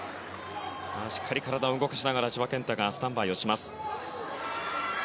しっかり体を動かしながら千葉健太がスタンバイをします。